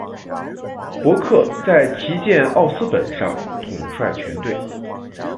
伯克在旗舰奥斯本上统帅全队。